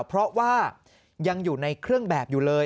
เพราะว่ายังอยู่ในเครื่องแบบอยู่เลย